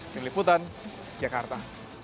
pilih liputan jakarta